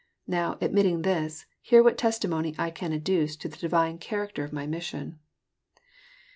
Now, admitting this, hear what testimony X can adduce to the divine character of my mission."